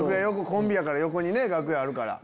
コンビやから横に楽屋あるから。